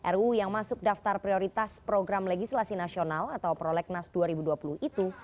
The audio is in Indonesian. ruu yang masuk daftar prioritas program legislasi nasional atau prolegnas dua ribu dua puluh itu